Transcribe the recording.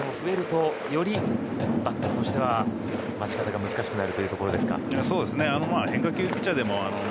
スプリットが増えるとよりバッターとしては待ち方が難しくなるところですか。